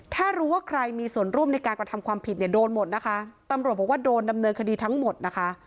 ถ้ารู้ว่าใครมีส่วนร่วมในการกระทำความผิดเนี่ยโดนหมดนะคะตำรวจบอกว่าโดนดำเนินคดีทั้งหมดนะคะ